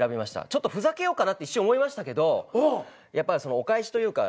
ちょっとふざけようかなって一瞬思いましたけどやっぱお返しというか。